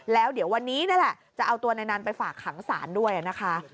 แล้วเดี๋ยววันนี้จะเอาตัวในนั้นไปฝากขังสารด้วยนะคะ